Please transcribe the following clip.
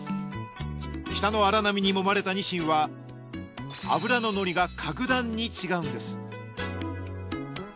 北の荒波にもまれたにしんは脂ののりが格段に違うんです